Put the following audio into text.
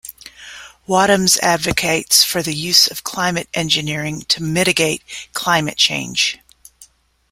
Wadhams advocates for the use of climate engineering to mitigate climate change.